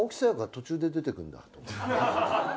途中で出てくるんだとか。